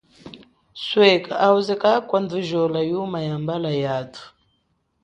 Sweka auze kakwandhujola yuma yambala yathu.